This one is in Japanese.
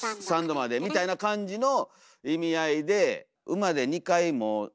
三度までみたいな感じの意味合いで「馬」でっていう。